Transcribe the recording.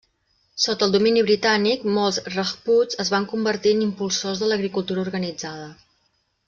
Sota el domini britànic, molts rajputs es van convertir en impulsors de l'agricultura organitzada.